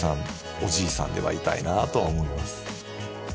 おじいさんではいたいなあとは思います